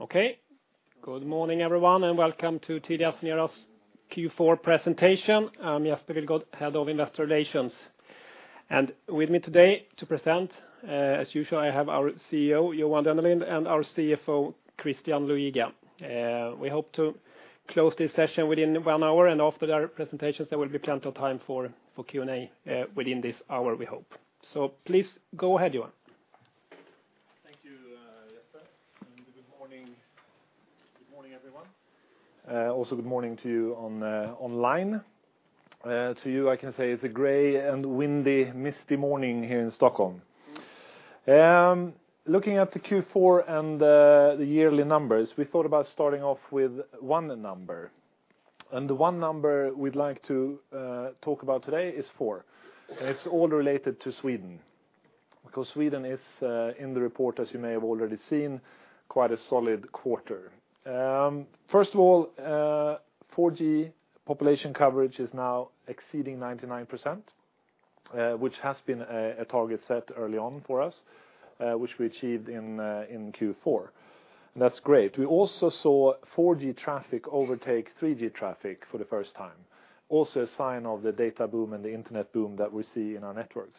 Okay. Good morning, everyone, and welcome to TeliaSonera's Q4 presentation. I'm Jesper Wilgodt, Head of Investor Relations. With me today to present, as usual, I have our CEO, Johan Dennelind, and our CFO, Christian Luiga. We hope to close this session within one hour, and after their presentations, there will be plenty of time for Q&A within this hour, we hope. Please, go ahead, Johan. Thank you, Jesper. Good morning, everyone. Also, good morning to you online. To you, I can say it's a gray and windy, misty morning here in Stockholm. Looking at the Q4 and the yearly numbers, we thought about starting off with one number. The one number we'd like to talk about today is four, and it's all related to Sweden, because Sweden is in the report, as you may have already seen, quite a solid quarter. First of all, 4G population coverage is now exceeding 99%, which has been a target set early on for us, which we achieved in Q4. That's great. We also saw 4G traffic overtake 3G traffic for the first time. A sign of the data boom and the internet boom that we see in our networks.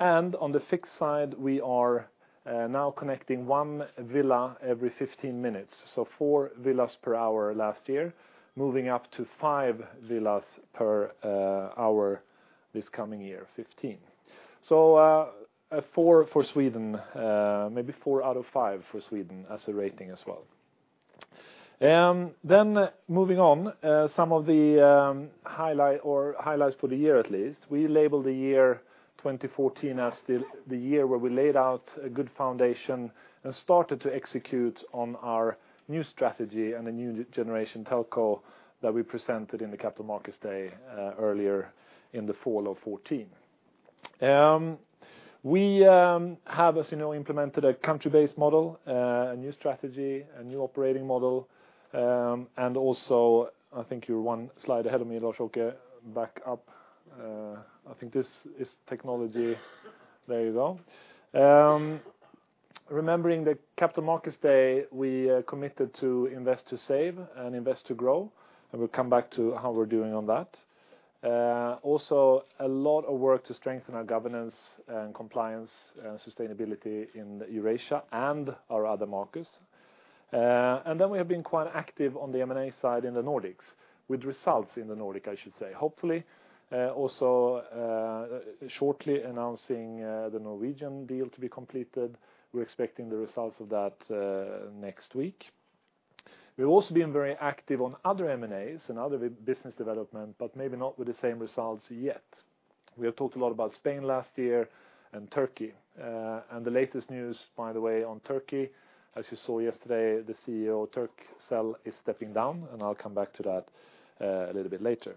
On the fixed side, we are now connecting one villa every 15 minutes, so four villas per hour last year, moving up to five villas per hour this coming year, 2015. So four for Sweden, maybe four out of five for Sweden as a rating as well. Moving on. Some of the highlights for the year at least. We labeled the year 2014 as the year where we laid out a good foundation and started to execute on our New Generation Telco strategy that we presented in the Capital Markets Day earlier in the fall of 2014. We have, as you know, implemented a country-based model, a new strategy, a new operating model. Also, I think you're one slide ahead of me, Lars-Åke. Back up. I think this is technology. There you go. Remembering the Capital Markets Day, we committed to invest to save and invest to grow, and we'll come back to how we're doing on that. A lot of work to strengthen our governance and compliance and sustainability in Eurasia and our other markets. Then we have been quite active on the M&A side in the Nordics, with results in the Nordics, I should say. Hopefully, also shortly announcing the Norwegian deal to be completed. We're expecting the results of that next week. We've also been very active on other M&As and other business development, but maybe not with the same results yet. We have talked a lot about Spain last year and Turkey. The latest news, by the way, on Turkey, as you saw yesterday, the CEO of Turkcell is stepping down, and I'll come back to that a little bit later.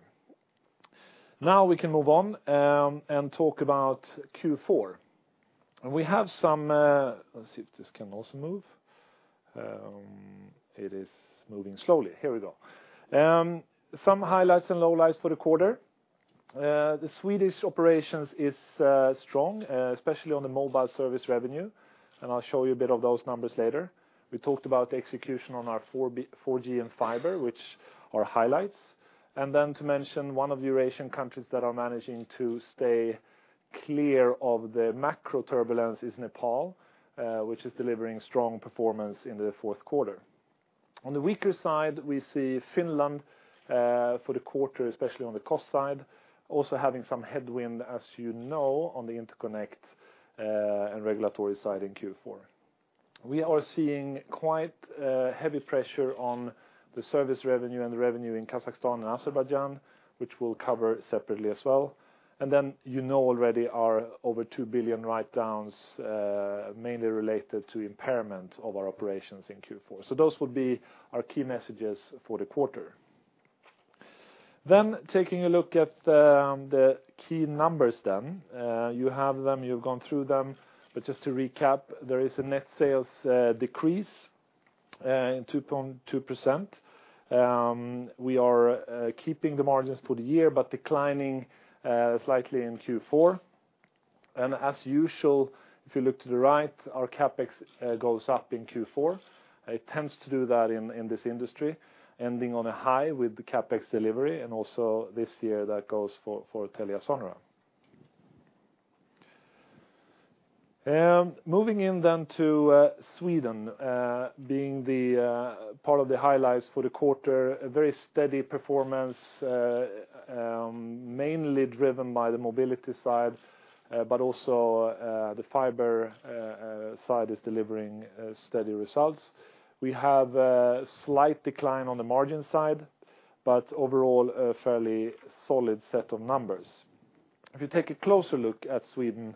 We can move on and talk about Q4. We have some. Let's see if this can also move. It is moving slowly. Here we go. Some highlights and lowlights for the quarter. The Swedish operations are strong, especially on the mobile service revenue, and I'll show you a bit of those numbers later. We talked about the execution on our 4G and fiber, which are highlights. To mention one of the Eurasian countries that are managing to stay clear of the macro turbulence is Nepal, which is delivering strong performance in the fourth quarter. On the weaker side, we see Finland for the quarter, especially on the cost side, also having some headwind, as you know, on the interconnect and regulatory side in Q4. We are seeing quite heavy pressure on the service revenue and the revenue in Kazakhstan and Azerbaijan, which we'll cover separately as well. You know already our over 2 billion write-downs, mainly related to impairment of our operations in Q4. Those would be our key messages for the quarter. Taking a look at the key numbers then. You have them, you've gone through them. Just to recap, there is a net sales decrease in 2.2%. We are keeping the margins for the year, declining slightly in Q4. As usual, if you look to the right, our CapEx goes up in Q4. It tends to do that in this industry, ending on a high with the CapEx delivery, and also this year that goes for TeliaSonera. Moving in then to Sweden, being the part of the highlights for the quarter. A very steady performance, mainly driven by the mobility side, also the fiber side is delivering steady results. We have a slight decline on the margin side, overall, a fairly solid set of numbers. If you take a closer look at Sweden,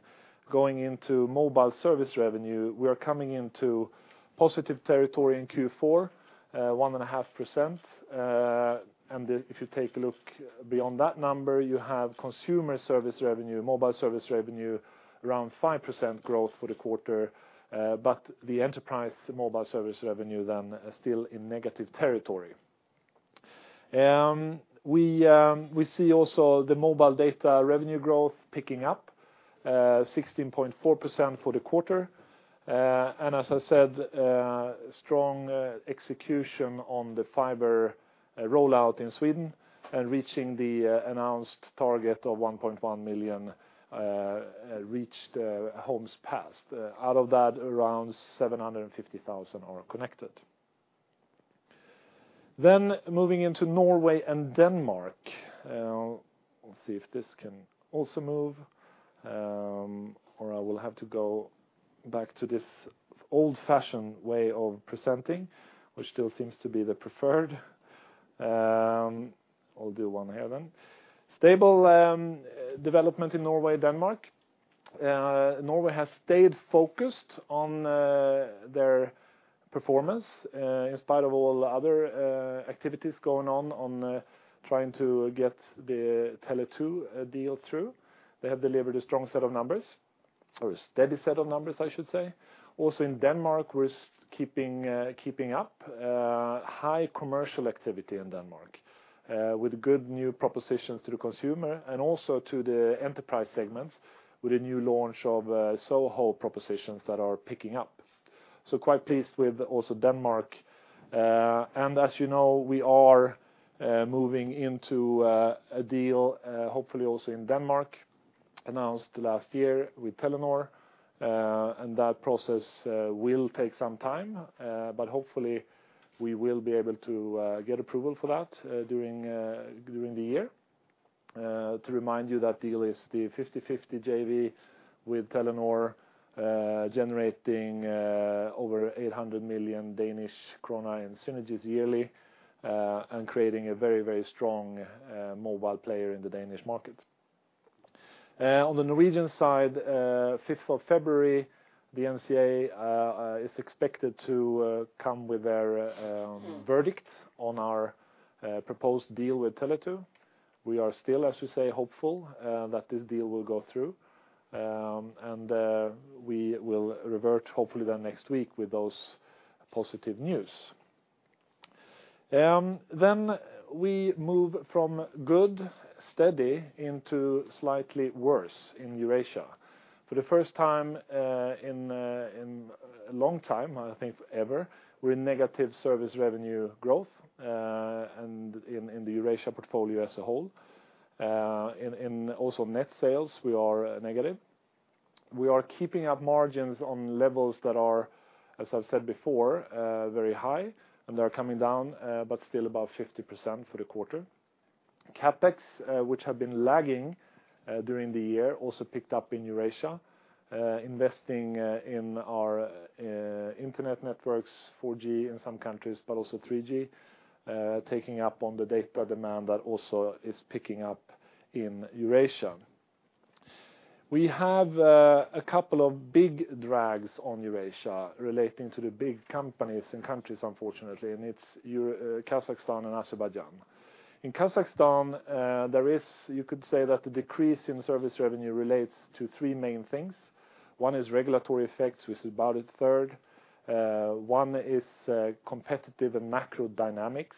going into mobile service revenue, we are coming into positive territory in Q4, 1.5%. If you take a look beyond that number, you have consumer service revenue, mobile service revenue, around 5% growth for the quarter. The enterprise mobile service revenue then still in negative territory. We see also the mobile data revenue growth picking up 16.4% for the quarter. As I said, strong execution on the fiber rollout in Sweden and reaching the announced target of 1.1 million reached homes passed. Out of that, around 750,000 are connected. Moving into Norway and Denmark. We'll see if this can also move, or I will have to go back to this old-fashioned way of presenting, which still seems to be the preferred. I'll do one here then. Stable development in Norway, Denmark. Norway has stayed focused on their performance in spite of all other activities going on trying to get the Tele2 deal through. They have delivered a strong set of numbers, or a steady set of numbers, I should say. Also in Denmark, we're keeping up high commercial activity in Denmark, with good new propositions to the consumer and also to the enterprise segments with a new launch of SOHO propositions that are picking up. Quite pleased with also Denmark. As you know, we are moving into a deal, hopefully also in Denmark, announced last year with Telenor, and that process will take some time, but hopefully we will be able to get approval for that during the year. To remind you that deal is the 50/50 JV with Telenor, generating over 800 million Danish krone in synergies yearly, and creating a very strong mobile player in the Danish market. On the Norwegian side, 5th of February, the NCA is expected to come with their verdict on our proposed deal with Tele2. We are still, as we say, hopeful that this deal will go through. We will revert hopefully then next week with those positive news. We move from good, steady, into slightly worse in Eurasia. For the first time in a long time, I think ever, we are in negative service revenue growth in the Eurasia portfolio as a whole. In also net sales, we are negative. We are keeping up margins on levels that are, as I have said before, very high and they are coming down, but still above 50% for the quarter. CapEx, which have been lagging during the year, also picked up in Eurasia, investing in our internet networks, 4G in some countries, but also 3G, taking up on the data demand that also is picking up in Eurasia. We have a couple of big drags on Eurasia relating to the big companies and countries, unfortunately, and it is Kazakhstan and Azerbaijan. In Kazakhstan, you could say that the decrease in service revenue relates to three main things. One is regulatory effects, which is about a third. One is competitive and macro dynamics.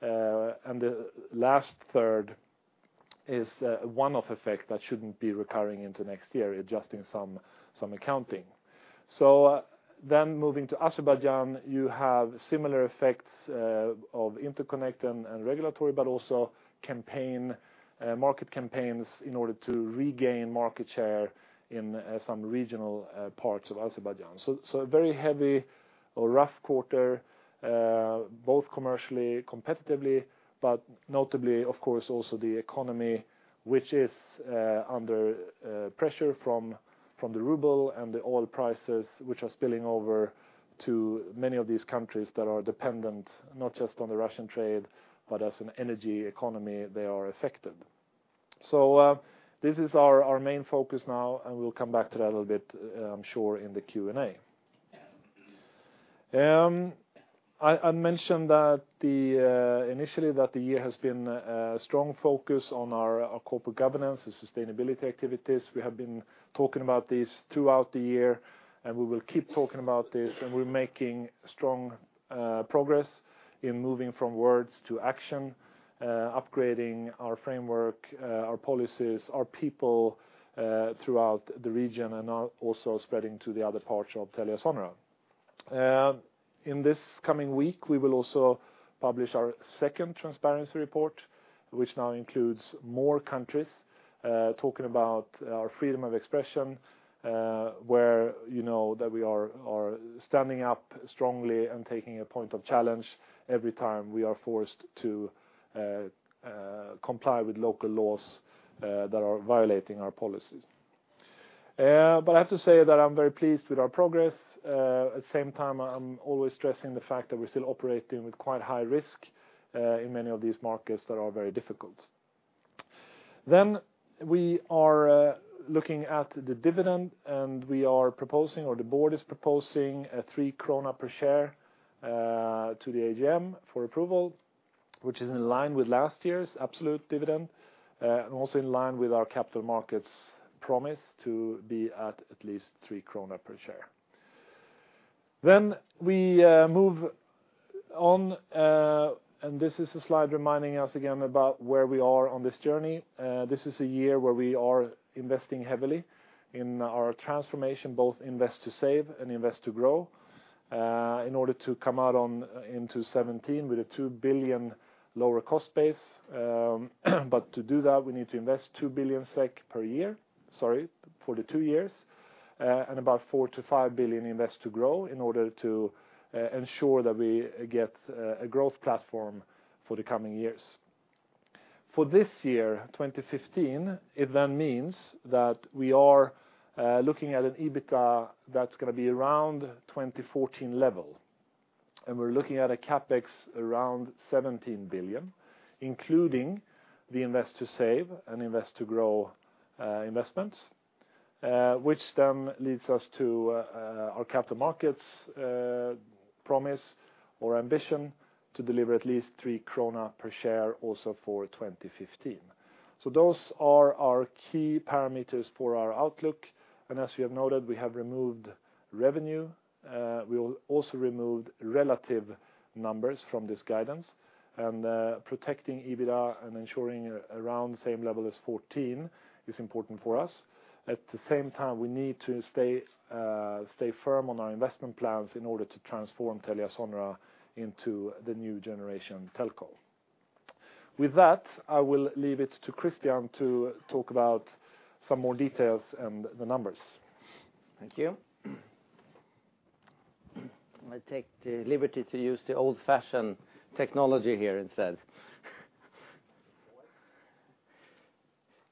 The last third is one-off effect that shouldn't be recurring into next year, adjusting some accounting. So then moving to Azerbaijan, you have similar effects of interconnect and regulatory, but also market campaigns in order to regain market share in some regional parts of Azerbaijan. So a very heavy or rough quarter both commercially, competitively, but notably of course also the economy, which is under pressure from the ruble and the oil prices, which are spilling over to many of these countries that are dependent not just on the Russian trade, but as an energy economy, they are affected. This is our main focus now, and we will come back to that a little bit, I am sure, in the Q&A. I mentioned initially that the year has been a strong focus on our corporate governance and sustainability activities. We have been talking about this throughout the year, and we will keep talking about this, and we are making strong progress in moving from words to action, upgrading our framework, our policies, our people throughout the region and also spreading to the other parts of TeliaSonera. In this coming week, we will also publish our second transparency report, which now includes more countries, talking about our freedom of expression, where you know that we are standing up strongly and taking a point of challenge every time we are forced to comply with local laws that are violating our policies. But I have to say that I am very pleased with our progress. At the same time, I am always stressing the fact that we are still operating with quite high risk in many of these markets that are very difficult. We are looking at the dividend. We are proposing, or the board is proposing a 3 krona per share to the AGM for approval, which is in line with last year's absolute dividend, also in line with our Capital Markets Day promise to be at least 3 krona per share. We move on. This is a slide reminding us again about where we are on this journey. This is a year where we are investing heavily in our transformation, both invest to save and invest to grow, in order to come out into 2017 with a 2 billion lower cost base. To do that, we need to invest 2 billion SEK per year for the two years, and about 4 billion-5 billion invest to grow in order to ensure that we get a growth platform for the coming years. For this year, 2015, it then means that we are looking at an EBITDA that is going to be around 2014 level. We are looking at a CapEx around 17 billion, including the invest to save and invest to grow investments, which then leads us to our Capital Markets Day promise or ambition to deliver at least 3 krona per share also for 2015. Those are our key parameters for our outlook. As we have noted, we have removed revenue. We will also remove relative numbers from this guidance. Protecting EBITDA and ensuring around the same level as 2014 is important for us. At the same time, we need to stay firm on our investment plans in order to transform TeliaSonera into the New Generation Telco. I will leave it to Christian to talk about some more details and the numbers. Thank you. I will take the liberty to use the old-fashioned technology here instead.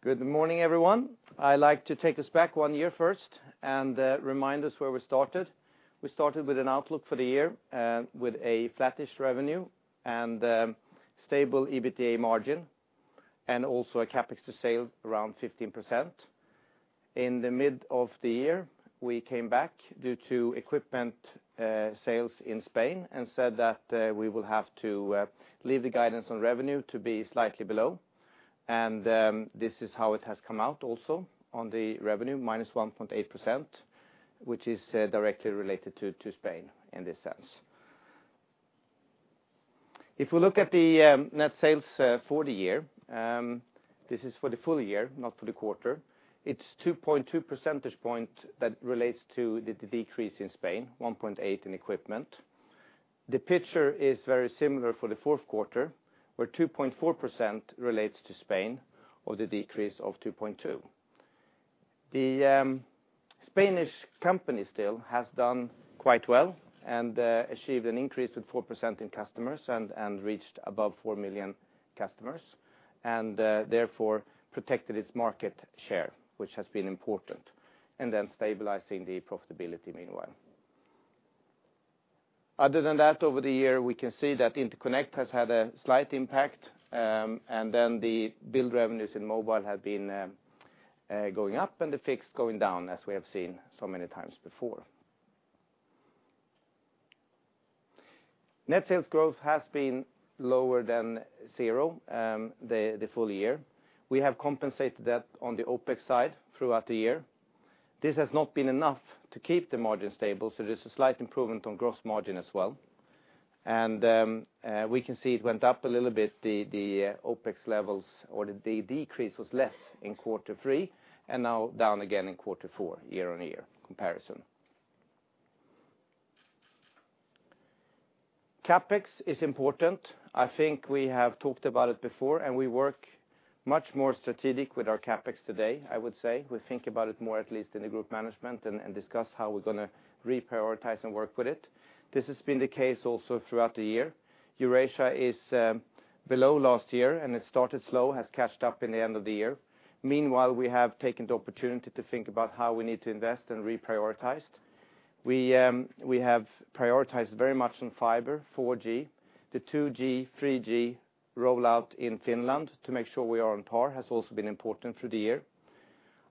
Good morning, everyone. I would like to take us back one year first and remind us where we started. We started with an outlook for the year with a flattish revenue and stable EBITDA margin, and also a CapEx to sale around 15%. In the mid of the year, we came back due to equipment sales in Spain and said that we will have to leave the guidance on revenue to be slightly below. This is how it has come out also on the revenue, minus 1.8%, which is directly related to Spain in this sense. If we look at the net sales for the year, this is for the full year, not for the quarter. It is 2.2 percentage points that relates to the decrease in Spain, 1.8% in equipment. The picture is very similar for the fourth quarter, where 2.4% relates to Spain, or the decrease of 2.2%. The Spanish company still has done quite well and achieved an increase of 4% in customers and reached above 4 million customers, and therefore protected its market share, which has been important, and then stabilizing the profitability meanwhile. Other than that, over the year, we can see that interconnect has had a slight impact, and then the billed revenues in mobile have been going up and the fixed going down as we have seen so many times before. Net sales growth has been lower than zero the full year. We have compensated that on the OpEx side throughout the year. This has not been enough to keep the margin stable, so there is a slight improvement on gross margin as well. We can see it went up a little bit, the OpEx levels, or the decrease was less in quarter three, and now down again in quarter four year-on-year comparison. CapEx is important. I think we have talked about it before, and we work much more strategic with our CapEx today, I would say. We think about it more, at least in the group management, and discuss how we're going to reprioritize and work with it. This has been the case also throughout the year. Eurasia is below last year, and it started slow, has catched up in the end of the year. Meanwhile, we have taken the opportunity to think about how we need to invest and reprioritized. We have prioritized very much on fiber, 4G. The 2G, 3G rollout in Finland to make sure we are on par has also been important through the year.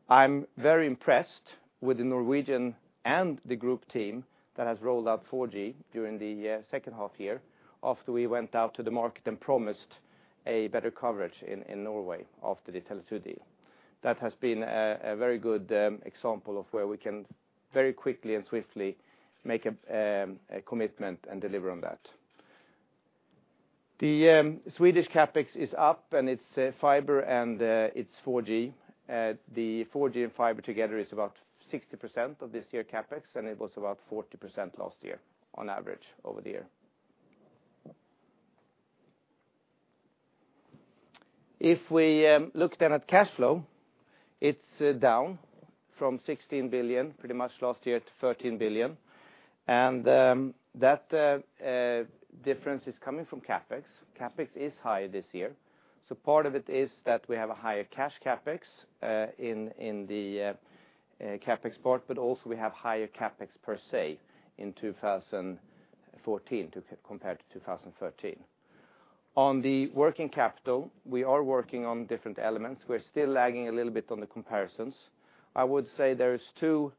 I'm very impressed with the Norwegian and the group team that has rolled out 4G during the second half year after we went out to the market and promised a better coverage in Norway after the Tele2 deal. That has been a very good example of where we can very quickly and swiftly make a commitment and deliver on that. The Swedish CapEx is up, and it's fiber and it's 4G. The 4G and fiber together is about 60% of this year CapEx, and it was about 40% last year on average over the year. If we look then at cash flow, it's down from 16 billion pretty much last year to 13 billion. That difference is coming from CapEx. CapEx is higher this year. Part of it is that we have a higher cash CapEx in the CapEx part, but also we have higher CapEx per se in 2014 compared to 2013. On the working capital, we are working on different elements. We're still lagging a little bit on the comparisons. I would say there's two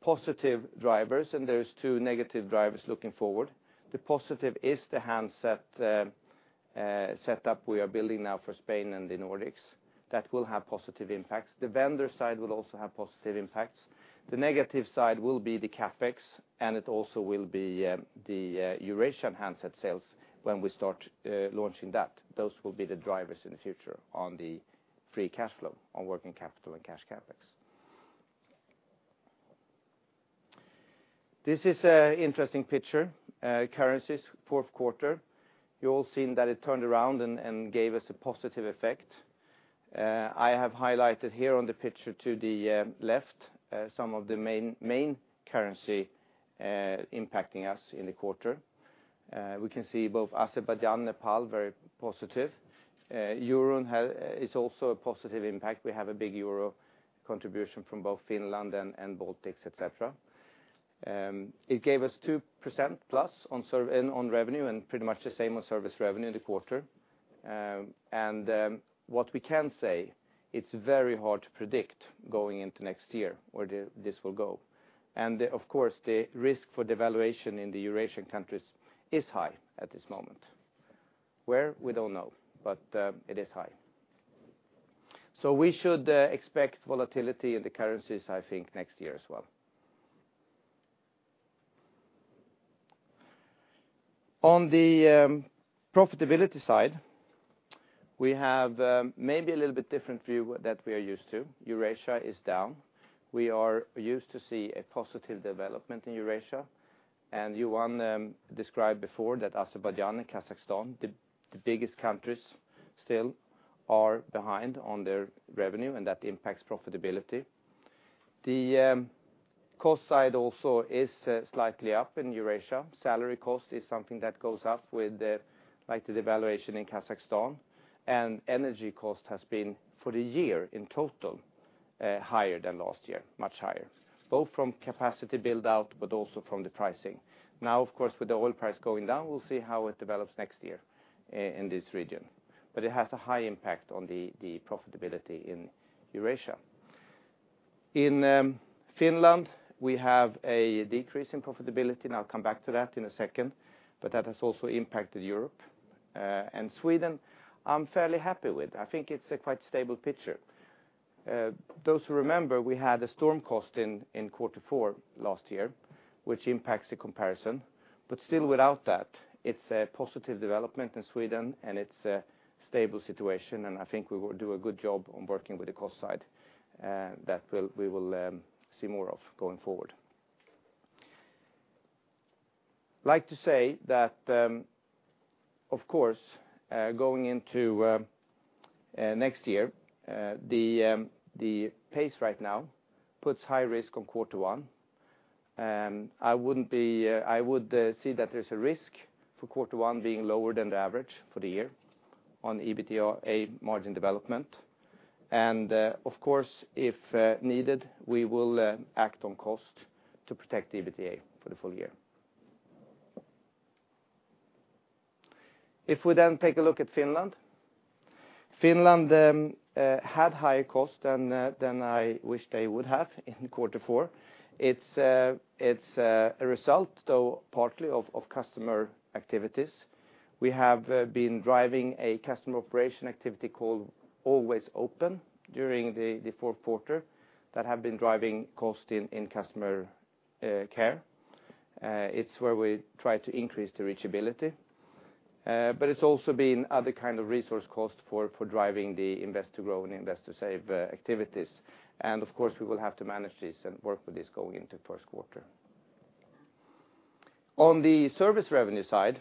positive drivers and there's two negative drivers looking forward. The positive is the handset setup we are building now for Spain and the Nordics. That will have positive impacts. The vendor side will also have positive impacts. The negative side will be the CapEx, and it also will be the Eurasian handset sales when we start launching that. Those will be the drivers in the future on the free cash flow on working capital and cash CapEx. This is an interesting picture. Currencies, fourth quarter. You all seen that it turned around and gave us a positive effect. I have highlighted here on the picture to the left, some of the main currency impacting us in the quarter. We can see both Azerbaijan, Nepal, very positive. EUR is also a positive impact. We have a big euro contribution from both Finland and Baltics, et cetera. It gave us 2% plus on revenue and pretty much the same on service revenue in the quarter. What we can say, it's very hard to predict going into next year where this will go. Of course, the risk for devaluation in the Eurasian countries is high at this moment. Where? We don't know, but it is high. We should expect volatility in the currencies, I think, next year as well. On the profitability side, we have maybe a little bit different view that we are used to. Eurasia is down. We are used to see a positive development in Eurasia. Johan described before that Azerbaijan and Kazakhstan, the biggest countries, still are behind on their revenue, and that impacts profitability. The cost side also is slightly up in Eurasia. Salary cost is something that goes up with the slight devaluation in Kazakhstan. Energy cost has been, for the year in total, higher than last year, much higher, both from capacity build-out, but also from the pricing. Now, of course, with the oil price going down, we'll see how it develops next year in this region. It has a high impact on the profitability in Eurasia. In Finland, we have a decrease in profitability. I'll come back to that in a second, but that has also impacted Europe. Sweden, I'm fairly happy with. I think it's a quite stable picture. Those who remember, we had a storm cost in quarter four last year, which impacts the comparison. Still, without that, it's a positive development in Sweden. It's a stable situation, and I think we will do a good job on working with the cost side. That we will see more of going forward. Like to say that, of course, going into next year, the pace right now puts high risk on quarter one. I would see that there's a risk for quarter one being lower than the average for the year on the EBITDA margin development. Of course, if needed, we will act on cost to protect the EBITDA for the full year. If we then take a look at Finland. Finland had higher cost than I wished they would have in quarter four. It's a result, though, partly of customer activities. We have been driving a customer operation activity called Always Open during the fourth quarter that have been driving cost in customer care. It's where we try to increase the reachability. It's also been other kind of resource cost for driving the invest to grow and invest to save activities. Of course, we will have to manage this and work with this going into first quarter. On the service revenue side,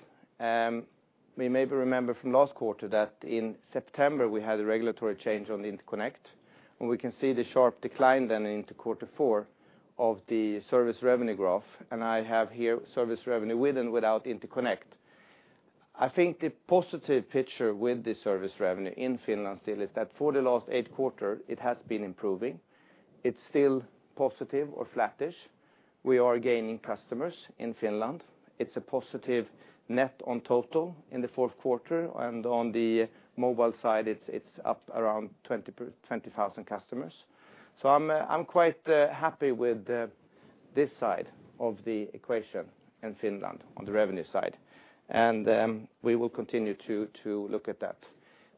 we maybe remember from last quarter that in September, we had a regulatory change on the interconnect. We can see the sharp decline then into quarter four of the service revenue graph, and I have here service revenue with and without interconnect. I think the positive picture with the service revenue in Finland still is that for the last eight quarter, it has been improving. It's still positive or flattish. We are gaining customers in Finland. It's a positive net on total in the fourth quarter, and on the mobile side, it's up around 20,000 customers. I'm quite happy with this side of the equation in Finland on the revenue side. We will continue to look at that.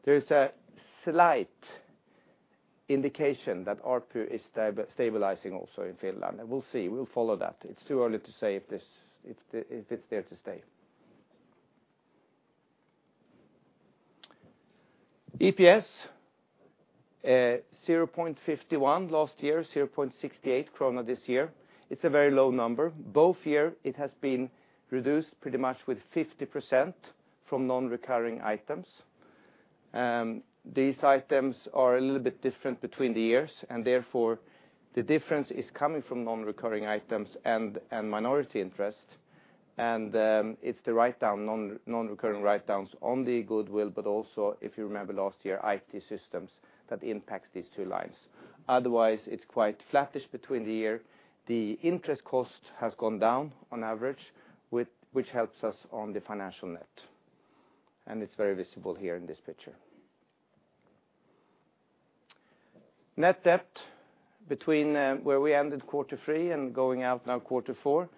There is a slight indication that ARPU is stabilizing also in Finland. We'll see. We'll follow that. It's too early to say if it's there to stay. EPS, 0.51 last year, 0.68 krona this year. It's a very low number. Both years it has been reduced pretty much with 50% from non-recurring items. These items are a little bit different between the years, and therefore, the difference is coming from non-recurring items and minority interest. It's the non-recurring write-downs on the goodwill, but also, if you remember last year, IT systems that impact these two lines. Otherwise, it's quite flattish between the years. The interest cost has gone down on average, which helps us on the financial net, and it's very visible here in this picture. Net debt between where we ended Q3 and going out now Q4,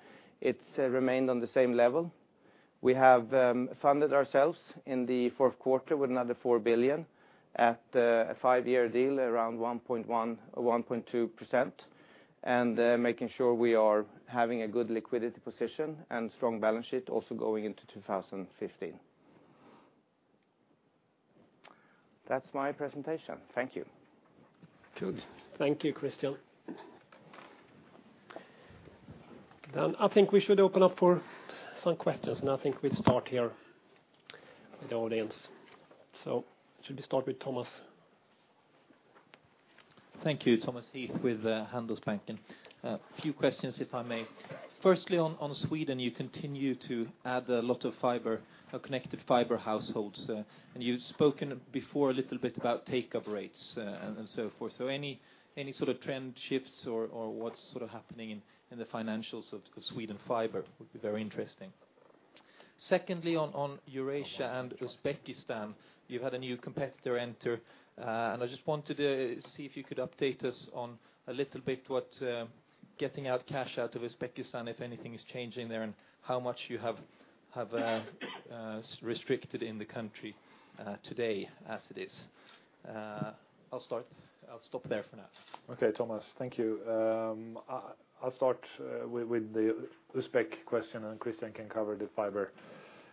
it remained on the same level. We have funded ourselves in the fourth quarter with another 4 billion at a five-year deal around 1.1% or 1.2%. Making sure we are having a good liquidity position and strong balance sheet also going into 2015. That's my presentation. Thank you. Good. Thank you, Christian. I think we should open up for some questions, and I think we'll start here with the audience. Should we start with Thomas? Thank you. Thomas Heath with Handelsbanken. A few questions, if I may. Firstly, on Sweden, you continue to add a lot of connected fiber households. You'd spoken before a little bit about take-up rates and so forth. Any sort of trend shifts, or what's happening in the financials of the Sweden fiber would be very interesting. Secondly, on Eurasia and Uzbekistan, you had a new competitor enter. I just wanted to see if you could update us on a little bit what getting out cash out of Uzbekistan, if anything is changing there, and how much you have restricted in the country today as it is. I'll stop there for now. Okay, Thomas. Thank you. I'll start with the Uzbek question, Christian can cover the fiber.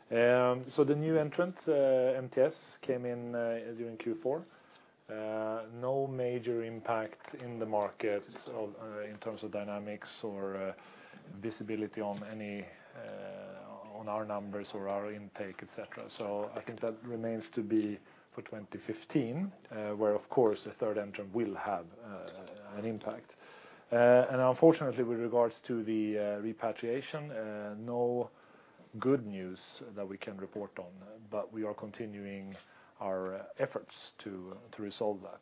The new entrant, MTS, came in during Q4. No major impact in the market in terms of dynamics or visibility on our numbers or our intake, et cetera. I think that remains to be for 2015, where, of course, the third entrant will have an impact. Unfortunately, with regards to the repatriation, no good news that we can report on, but we are continuing our efforts to resolve that.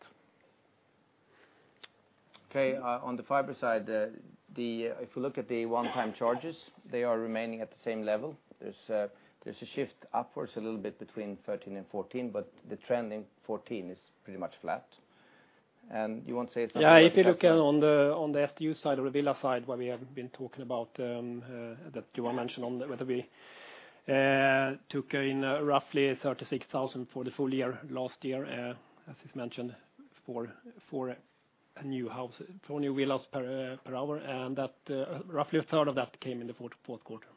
Okay. On the fiber side, if you look at the one-time charges, they are remaining at the same level. There's a shift upwards a little bit between 2013 and 2014, but the trend in 2014 is pretty much flat. You want to say something about that? If you look on the SDU side or the villa side, where we have been talking about that you mentioned on whether we took in roughly 36,000 for the full year last year, as is mentioned, for new villas per hour, that roughly a third of that came in the fourth quarter.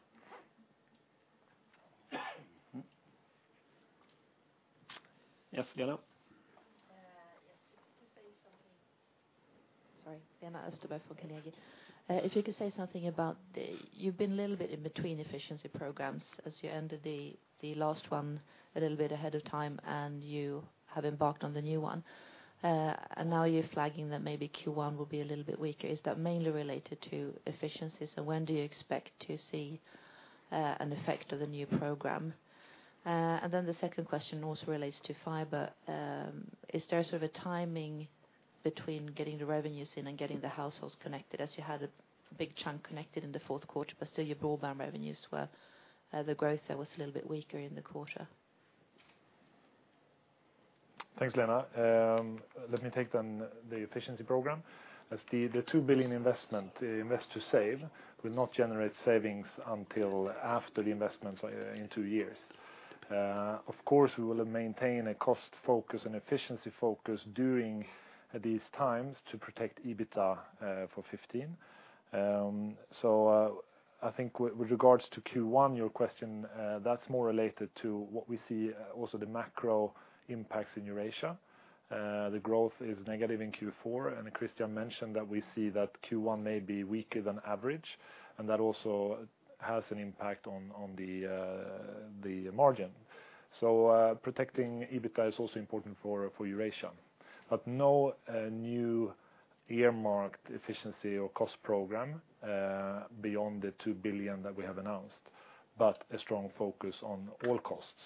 Yes, Lena. Yes. If you could say something. Sorry. Lena Österberg from Carnegie. If you could say something about the, you've been a little bit in between efficiency programs as you ended the last one a little bit ahead of time, you have embarked on the new one. Now you're flagging that maybe Q1 will be a little bit weaker. Is that mainly related to efficiencies, when do you expect to see an effect of the new program? The second question also relates to fiber. Is there a timing between getting the revenues in and getting the households connected as you had a big chunk connected in the fourth quarter, but still your broadband revenues were, the growth there was a little bit weaker in the quarter. Thanks, Lena. Let me take the efficiency program. As the 2 billion investment, Invest to Save, will not generate savings until after the investments in two years. Of course, we will maintain a cost focus and efficiency focus during these times to protect EBITDA for 2015. I think with regards to Q1, your question, that's more related to what we see also the macro impacts in Eurasia. The growth is negative in Q4, Christian mentioned that we see that Q1 may be weaker than average, and that also has an impact on the margin. Protecting EBITDA is also important for Eurasia. No new earmarked efficiency or cost program beyond the 2 billion that we have announced, but a strong focus on all costs.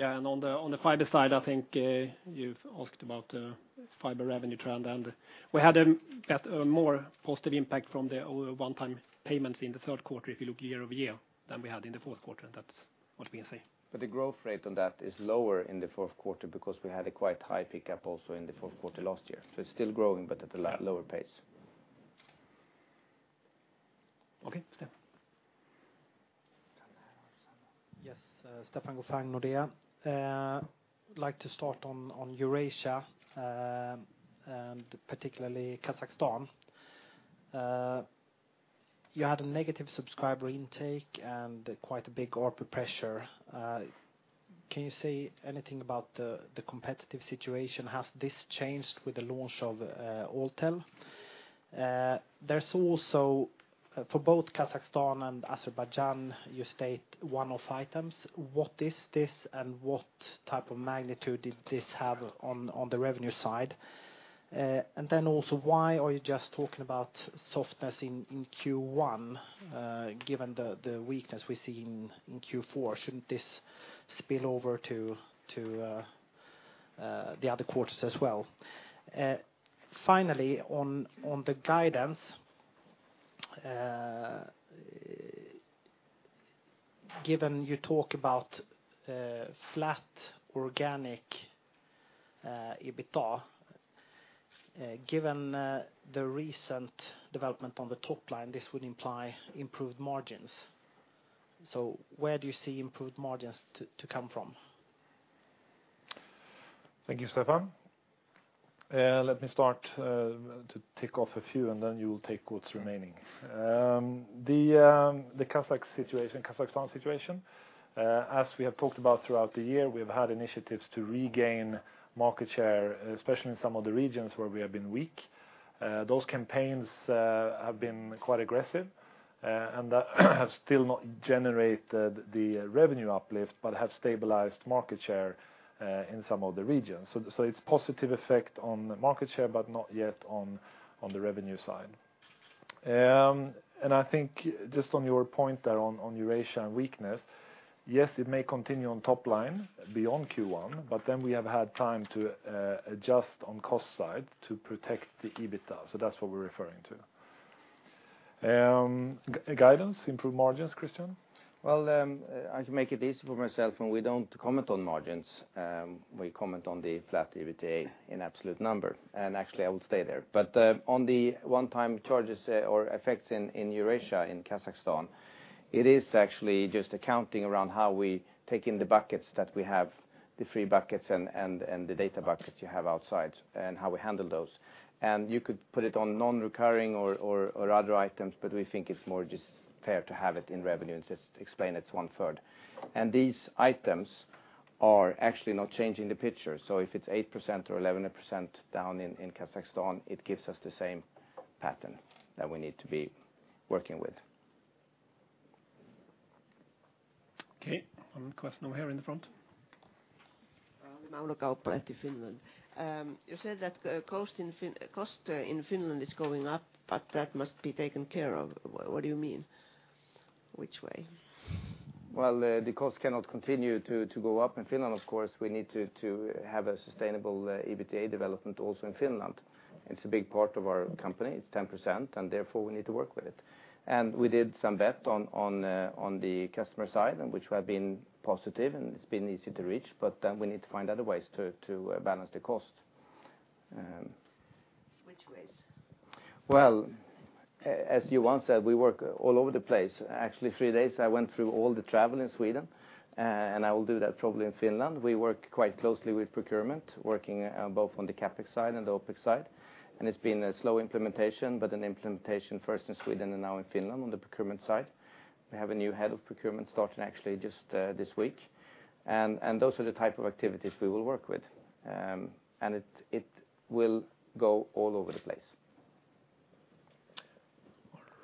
On the fiber side, I think you've asked about fiber revenue trend, and we had a more positive impact from the one-time payments in the third quarter if you look year-over-year, than we had in the fourth quarter. That's what we can say. The growth rate on that is lower in the fourth quarter because we had a quite high pickup also in the fourth quarter last year. It's still growing, but at a lower pace. Okay. Stefan. Yes. Stefan Gauffin, Nordea. I would like to start on Eurasia, and particularly Kazakhstan. You had a negative subscriber intake and quite a big ARPU pressure. Can you say anything about the competitive situation? Has this changed with the launch of Altel? There's also for both Kazakhstan and Azerbaijan, you state one-off items. What is this, and what type of magnitude did this have on the revenue side? Also, why are you just talking about softness in Q1, given the weakness we see in Q4? Shouldn't this spill over to the other quarters as well? Finally, on the guidance. Given you talk about flat organic EBITDA, given the recent development on the top line, this would imply improved margins. Where do you see improved margins to come from? Thank you, Stefan. Let me start to tick off a few and then you will take what's remaining. The Kazakhstan situation, as we have talked about throughout the year, we have had initiatives to regain market share, especially in some of the regions where we have been weak. Those campaigns have been quite aggressive and have still not generated the revenue uplift, but have stabilized market share in some of the regions. It's positive effect on market share, but not yet on the revenue side. I think just on your point there on Eurasia and weakness, yes, it may continue on top line beyond Q1, but we have had time to adjust on cost side to protect the EBITDA. That's what we're referring to. Guidance, improved margins, Christian? Well, I can make it easy for myself and we don't comment on margins. We comment on the flat EBITDA in absolute number, and actually I will stay there. On the one-time charges or effects in Eurasia, in Kazakhstan, it is actually just accounting around how we take in the buckets that we have, the free buckets and the data buckets you have outside, and how we handle those. You could put it on non-recurring or other items, but we think it's more just fair to have it in revenue and just explain it's one third. These items are actually not changing the picture. If it's 8% or 11% down in Kazakhstan, it gives us the same pattern that we need to be working with. Okay. One question over here in the front. Auno Kauppi at Finland. You said that cost in Finland is going up. That must be taken care of. What do you mean? Which way? Well, the cost cannot continue to go up in Finland, of course. We need to have a sustainable EBITDA development also in Finland. It's a big part of our company. It's 10%. Therefore, we need to work with it. We did some bet on the customer side, which have been positive and it's been easy to reach. We need to find other ways to balance the cost. Which ways? Well, as Johan said, we work all over the place. Actually, three days I went through all the travel in Sweden. I will do that probably in Finland. We work quite closely with procurement, working both on the CapEx side and the OpEx side. It's been a slow implementation, an implementation first in Sweden and now in Finland on the procurement side. We have a new head of procurement starting actually just this week. Those are the type of activities we will work with. It will go all over the place.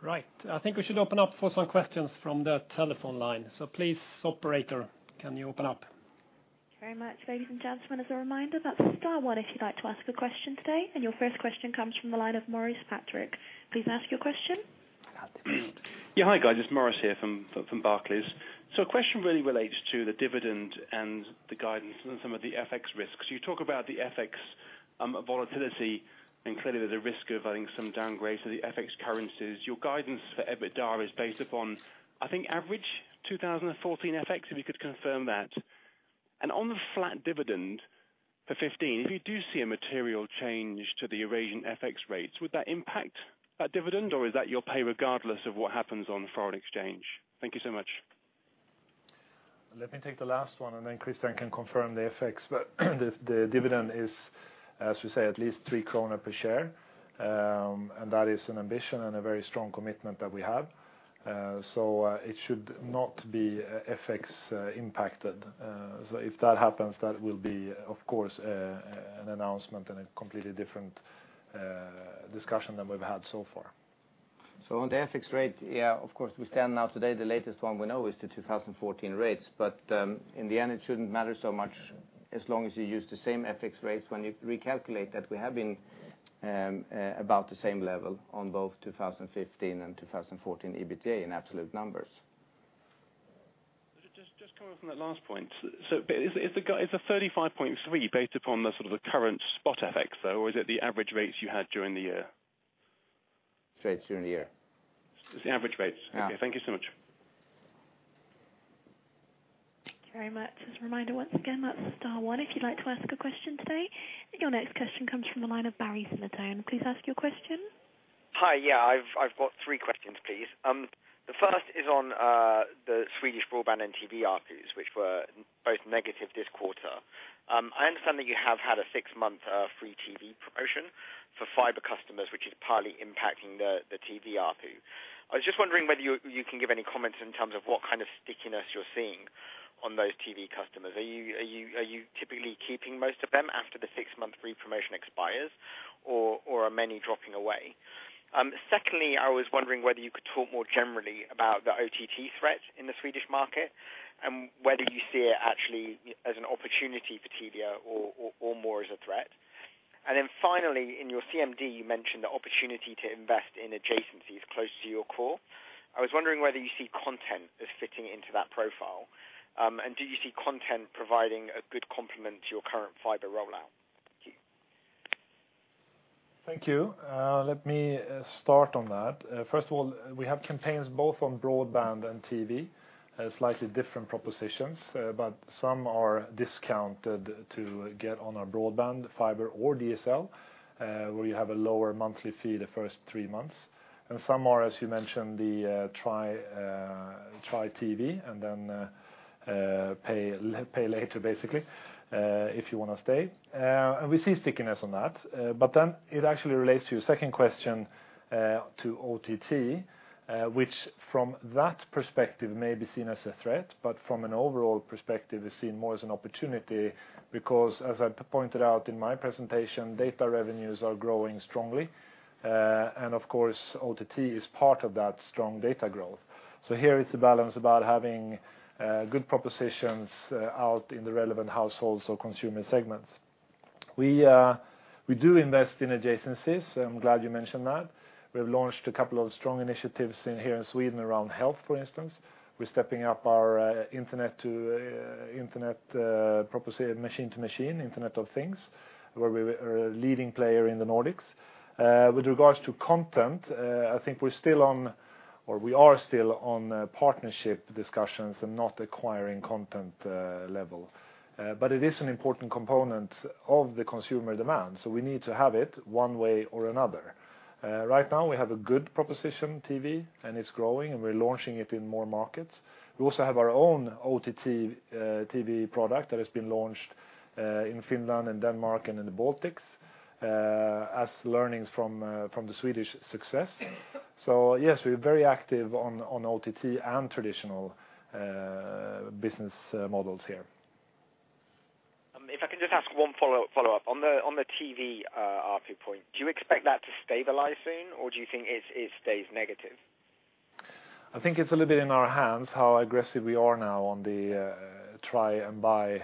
All right. I think we should open up for some questions from the telephone line. Please, operator, can you open up? Thank you very much. Ladies and gentlemen, as a reminder, that's star one if you'd like to ask a question today. Your first question comes from the line of Maurice Patrick. Please ask your question. Yeah. Hi, guys. It's Maurice here from Barclays. A question really relates to the dividend and the guidance and some of the FX risks. You talk about the FX volatility, and clearly there's a risk of having some downgrade to the FX currencies. Your guidance for EBITDA is based upon, I think, average 2014 FX, if you could confirm that. On the flat dividend for 2015, if you do see a material change to the Eurasian FX rates, would that impact that dividend, or is that your pay regardless of what happens on foreign exchange? Thank you so much. Let me take the last one. Then Christian can confirm the FX. The dividend is, as we say, at least 3 kronor per share, that is an ambition and a very strong commitment that we have. It should not be FX impacted. If that happens, that will be, of course, an announcement and a completely different discussion than we've had so far. On the FX rate, of course, we stand now today, the latest one we know is the 2014 rates. In the end it shouldn't matter so much as long as you use the same FX rates when you recalculate that we have been about the same level on both 2015 and 2014 EBITDA in absolute numbers. Just coming from that last point. Is the 35.3 based upon the sort of the current spot FX though, or is it the average rates you had during the year? Rates during the year. It's the average rates. Yeah. Okay, thank you so much. Thank you very much. Just a reminder once again, that is star one if you would like to ask a question today. Your next question comes from the line of Barry Sonatane. Please ask your question. Hi. Yeah, I have got three questions, please. The first is on the Swedish broadband and TV ARPUs, which were both negative this quarter. I understand that you have had a six-month free TV promotion for fiber customers, which is partly impacting the TV ARPU. I was just wondering whether you can give any comments in terms of what kind of stickiness you are seeing on those TV customers. Are you typically keeping most of them after the six-month free promotion expires, or are many dropping away? Secondly, I was wondering whether you could talk more generally about the OTT threat in the Swedish market, and whether you see it actually as an opportunity for Telia or more as a threat. Finally, in your CMD, you mentioned the opportunity to invest in adjacencies close to your core. I was wondering whether you see content as fitting into that profile. Do you see content providing a good complement to your current fiber rollout? Thank you. Let me start on that. First of all, we have campaigns both on broadband and TV, slightly different propositions, but some are discounted to get on our broadband fiber or DSL, where you have a lower monthly fee the first three months. Some are, as you mentioned, the try TV and then pay later, basically, if you want to stay. We see stickiness on that. It actually relates to your second question to OTT, which from that perspective may be seen as a threat, but from an overall perspective is seen more as an opportunity, because as I pointed out in my presentation, data revenues are growing strongly. Of course, OTT is part of that strong data growth. Here it's a balance about having good propositions out in the relevant households or consumer segments. We do invest in adjacencies, I'm glad you mentioned that. We've launched a couple of strong initiatives in here in Sweden around health, for instance. We're stepping up our internet proposition, machine-to-machine, Internet of Things, where we are a leading player in the Nordics. With regards to content, I think we're still on, or we are still on partnership discussions and not acquiring content level. It is an important component of the consumer demand, so we need to have it one way or another. Right now we have a good proposition TV, and it's growing, and we're launching it in more markets. We also have our own OTT TV product that has been launched in Finland and Denmark and in the Baltics, as learnings from the Swedish success. Yes, we're very active on OTT and traditional business models here. If I can just ask one follow-up. On the TV ARPU point, do you expect that to stabilize soon or do you think it stays negative? I think it's a little bit in our hands how aggressive we are now on the try and buy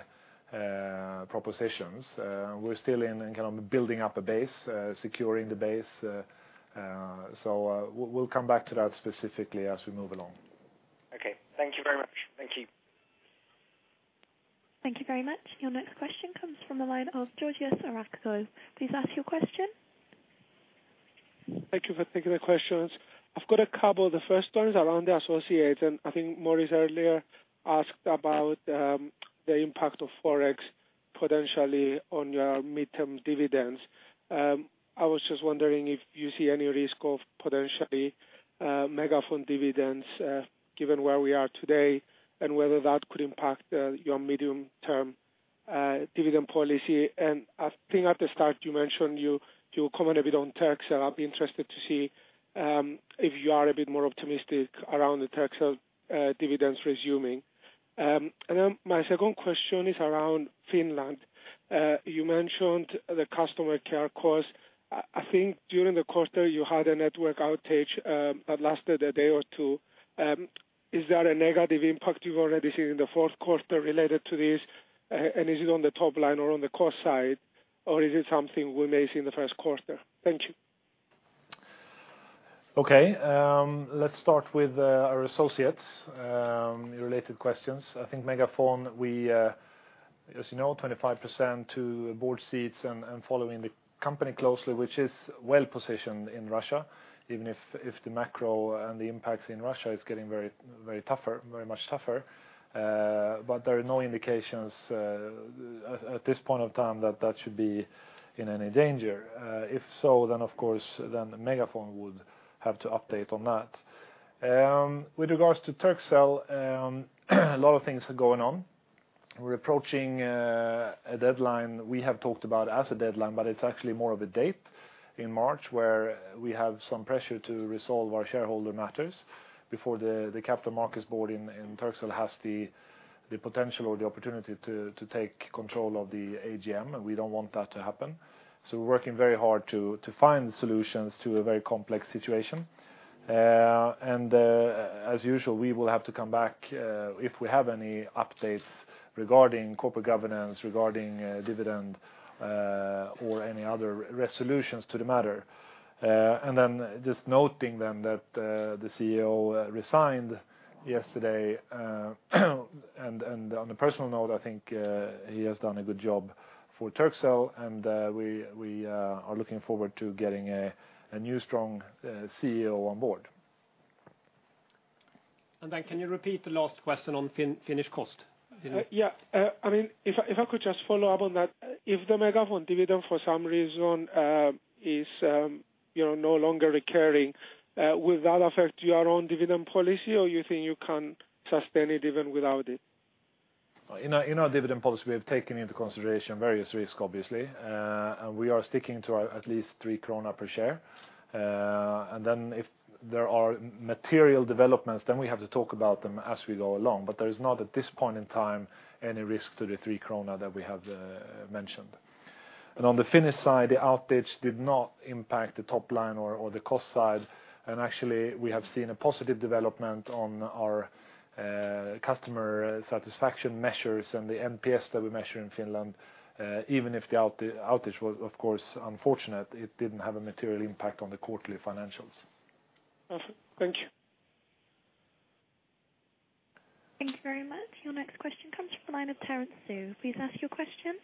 propositions. We're still in building up a base, securing the base. We'll come back to that specifically as we move along. Okay. Thank you very much. Thank you. Thank you very much. Your next question comes from the line of Georgios Arakotos. Please ask your question. Thank you for taking the questions. I have got a couple. The first one is around the associate. I think Maurice earlier asked about the impact of Forex potentially on your midterm dividends. I was just wondering if you see any risk of potentially MegaFon dividends given where we are today, and whether that could impact your medium-term dividend policy. I think at the start you mentioned you commented a bit on Turkcell. I'll be interested to see if you are a bit more optimistic around the Turkcell dividends resuming. My second question is around Finland. You mentioned the customer care cost. I think during the quarter you had a network outage that lasted a day or two. Is there a negative impact you've already seen in the fourth quarter related to this? Is it on the top line or on the cost side, or is it something we may see in the first quarter? Thank you. Okay. Let's start with our associates related questions. I think MegaFon, as you know, 25% to board seats and following the company closely, which is well-positioned in Russia, even if the macro and the impacts in Russia is getting very much tougher. There are no indications at this point of time that that should be in any danger. If so, then of course, MegaFon would have to update on that. With regards to Turkcell, a lot of things are going on. We're approaching a deadline we have talked about as a deadline, but it's actually more of a date in March where we have some pressure to resolve our shareholder matters before the capital markets board in Turkcell has the potential or the opportunity to take control of the AGM, and we don't want that to happen. We're working very hard to find solutions to a very complex situation. As usual, we will have to come back if we have any updates regarding corporate governance, regarding dividend, or any other resolutions to the matter. Just noting that the CEO resigned yesterday. On a personal note, I think he has done a good job for Turkcell, and we are looking forward to getting a new strong CEO on board. Can you repeat the last question on Finnish cost? Yeah. If I could just follow up on that. If the MegaFon dividend for some reason is no longer recurring, will that affect your own dividend policy, or you think you can sustain it even without it? In our dividend policy, we have taken into consideration various risks, obviously. We are sticking to our at least 3 krona per share. If there are material developments, then we have to talk about them as we go along. There is not at this point in time any risk to the 3 krona that we have mentioned. On the Finnish side, the outage did not impact the top line or the cost side. Actually, we have seen a positive development on our customer satisfaction measures and the NPS that we measure in Finland. Even if the outage was of course unfortunate, it didn't have a material impact on the quarterly financials. Awesome. Thank you. Thank you very much. Your next question comes from the line of Terrence Xu. Please ask your question.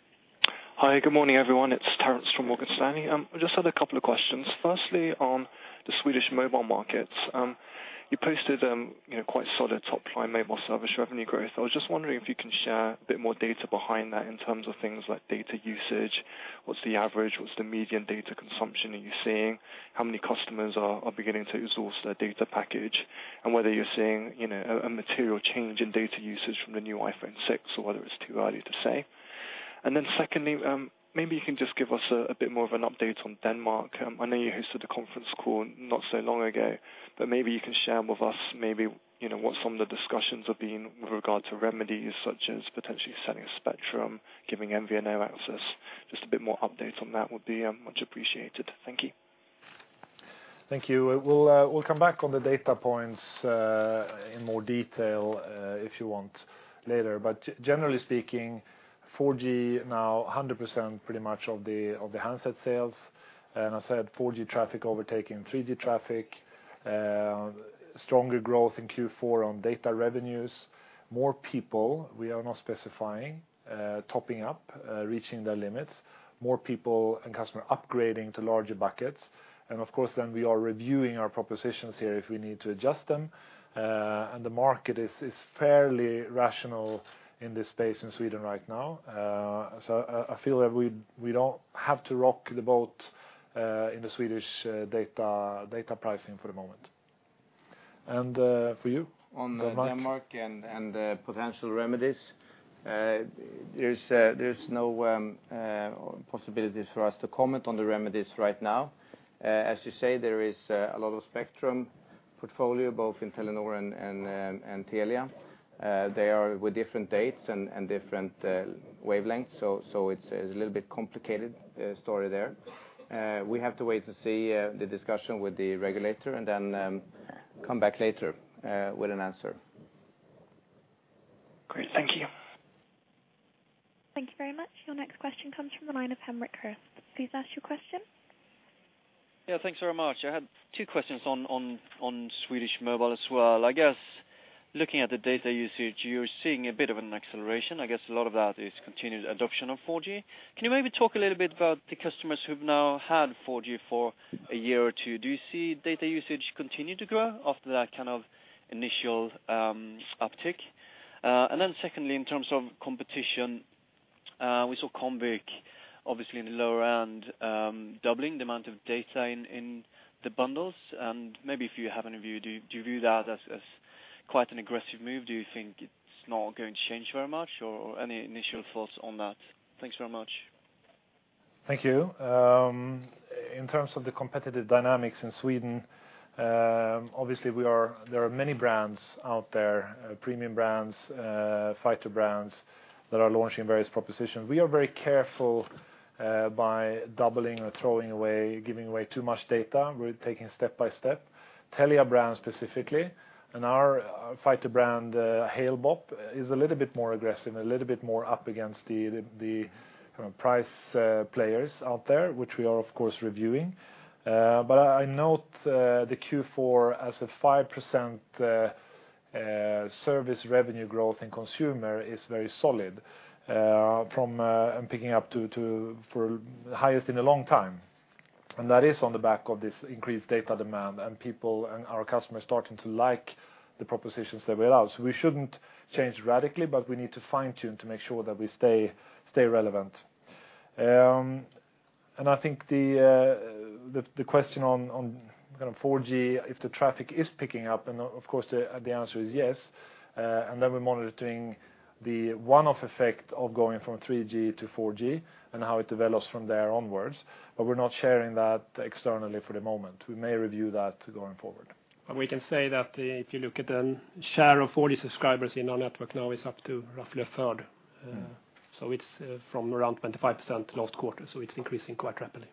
Hi, good morning, everyone. It's Terrence from Morgan Stanley. I just had a couple of questions. Firstly, on the Swedish mobile markets. You posted quite solid top-line mobile service revenue growth. I was just wondering if you can share a bit more data behind that in terms of things like data usage. What's the average, what's the median data consumption are you seeing? How many customers are beginning to exhaust their data package? Whether you're seeing a material change in data usage from the new iPhone 6, or whether it's too early to say. Secondly, maybe you can just give us a bit more of an update on Denmark. I know you hosted a conference call not so long ago, but maybe you can share with us maybe what some of the discussions have been with regard to remedies such as potentially selling spectrum, giving MVNO access, just a bit more update on that would be much appreciated. Thank you. Thank you. We'll come back on the data points in more detail, if you want, later. Generally speaking, 4G now 100% pretty much of the handset sales. As I said, 4G traffic overtaking 3G traffic. Stronger growth in Q4 on data revenues. More people, we are not specifying, topping up, reaching their limits. More people and customer upgrading to larger buckets. Of course, then we are reviewing our propositions here if we need to adjust them. The market is fairly rational in this space in Sweden right now. I feel that we don't have to rock the boat in the Swedish data pricing for the moment. For you, on Denmark? On Denmark and potential remedies. There's no possibilities for us to comment on the remedies right now. As you say, there is a lot of spectrum portfolio, both in Telenor and Telia. They are with different dates and different wavelengths, it's a little bit complicated story there. We have to wait to see the discussion with the regulator then come back later with an answer. Great. Thank you. Thank you very much. Your next question comes from the line of Henrick Chris. Please ask your question. Yeah, thanks very much. I had two questions on Swedish mobile as well. I guess looking at the data usage, you're seeing a bit of an acceleration. I guess a lot of that is continued adoption of 4G. Can you maybe talk a little bit about the customers who've now had 4G for a year or two? Do you see data usage continue to grow after that kind of initial uptick? Secondly, in terms of competition, we saw Comviq obviously in the lower end, doubling the amount of data in the bundles. Maybe if you have any view, do you view that as quite an aggressive move? Do you think it's not going to change very much? Any initial thoughts on that? Thanks very much. Thank you. In terms of the competitive dynamics in Sweden, obviously there are many brands out there, premium brands, fighter brands, that are launching various propositions. We are very careful by doubling or throwing away, giving away too much data. We're taking step by step. Telia brand specifically, and our fighter brand, Halebop, is a little bit more aggressive, a little bit more up against the price players out there, which we are, of course, reviewing. I note the Q4 as a 5% service revenue growth in consumer is very solid, and picking up to highest in a long time. That is on the back of this increased data demand and people and our customers starting to like the propositions that we allow. We shouldn't change radically, but we need to fine-tune to make sure that we stay relevant. I think the question on 4G, if the traffic is picking up, and of course, the answer is yes. We're monitoring the one-off effect of going from 3G to 4G and how it develops from there onwards. We're not sharing that externally for the moment. We may review that going forward. We can say that if you look at the share of 4G subscribers in our network now, it's up to roughly a third. It's from around 25% last quarter, so it's increasing quite rapidly.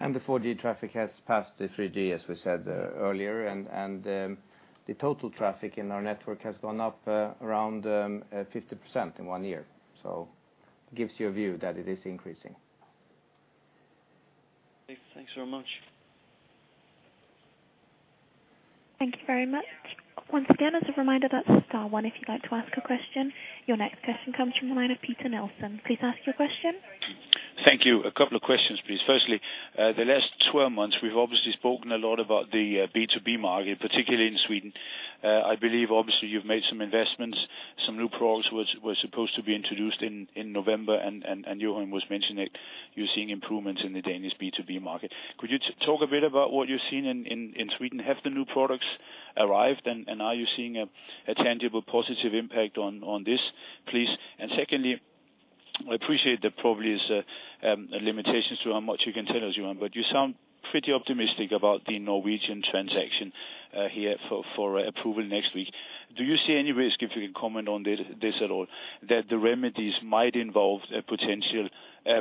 The 4G traffic has passed the 3G, as we said earlier. The total traffic in our network has gone up around 50% in one year. It gives you a view that it is increasing. Okay. Thanks very much. Thank you very much. Once again, as a reminder, that's star one if you'd like to ask a question. Your next question comes from the line of Peter Nielsen. Please ask your question. Thank you. A couple of questions, please. Firstly, the last 12 months, we've obviously spoken a lot about the B2B market, particularly in Sweden. I believe obviously you've made some investments. Some new products were supposed to be introduced in November, Johan was mentioning that you're seeing improvements in the Danish B2B market. Could you talk a bit about what you're seeing in Sweden? Have the new products arrived, and are you seeing a tangible positive impact on this, please? Secondly, I appreciate there probably is limitations to how much you can tell us, Johan, but you sound pretty optimistic about the Norwegian transaction here for approval next week. Do you see any risk, if you can comment on this at all, that the remedies might involve a potential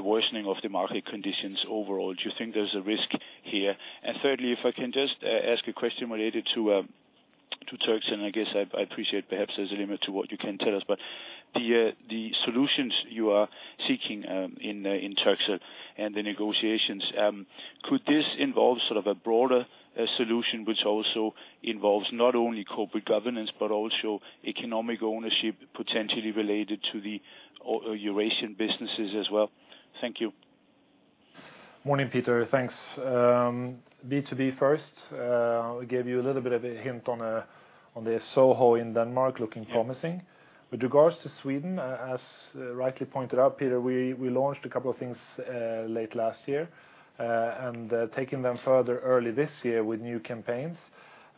worsening of the market conditions overall? Do you think there's a risk here? Thirdly, if I can just ask a question related to Turkcell, I guess I appreciate perhaps there's a limit to what you can tell us. The solutions you are seeking in Turkcell and the negotiations, could this involve a broader solution, which also involves not only corporate governance, but also economic ownership potentially related to the Eurasian businesses as well? Thank you. Morning, Peter. Thanks. B2B first. I gave you a little bit of a hint on the SOHO in Denmark looking promising. Yeah. With regards to Sweden, as rightly pointed out, Peter, we launched a couple of things late last year, and taking them further early this year with new campaigns.